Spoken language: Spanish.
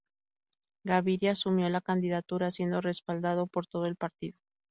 Gaviria asumió la candidatura siendo respaldado por todo el partido.